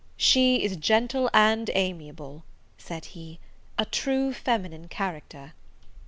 "She is gentle and amiable," said he, "a true feminine character."